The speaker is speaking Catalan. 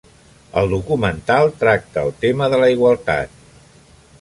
El documental tracta el tema de la igualtat.